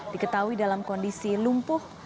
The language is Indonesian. diketahui dalam kondisi lumpuh